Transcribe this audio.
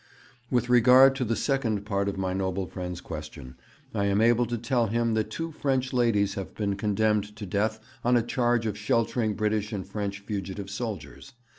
'With regard to the second part of my noble friend's question, I am able to tell him that two French ladies have been condemned to death on a charge of sheltering British and French fugitive soldiers.